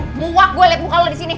muak gue liat lo kalau disini